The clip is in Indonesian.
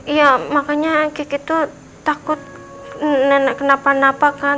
ya makanya kiki tuh takut nenek kenapa napa kan